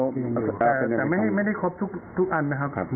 แต่ไม่ได้ครบทุกอันนะครับ